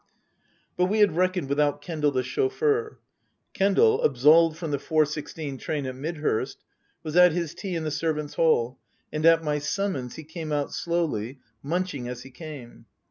But we had reckoned without Kendal, the chauffeur. Kendal, absolved from the four sixteen train at Mid hurst, was at his tea in the servants' hall, and at my summons he came out slowly, munching as he came.